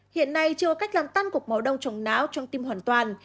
hiện nay chưa có cách làm tăng cục máu đông trong não trong tim hoàn toàn